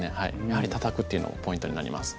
やはりたたくっていうのもポイントになります